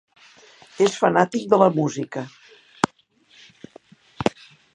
És fanàtic de la música.